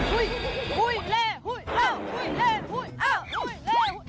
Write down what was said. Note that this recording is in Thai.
หุ้ยเล่หุ้ยอ้าวหุ้ยเล่หุ้ยอ้าวหุ้ยเล่